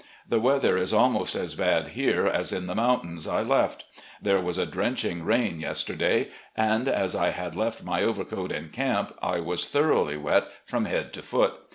The weather is almost as bad here as in the mountains I left. Thra e was a drenching rain yesterday, and as I had left my overcoat in camp I was thoroughly wet from head to foot.